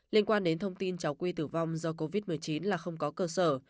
liên quan đến thông tin cháu quy tử vong do covid một mươi chín là không có cơ sở